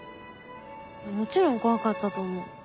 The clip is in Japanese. もちろん怖かったと思う。